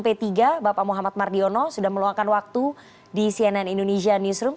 p tiga bapak muhammad mardiono sudah meluangkan waktu di cnn indonesia newsroom